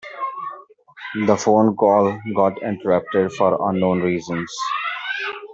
The phone call got interrupted for unknown reasons.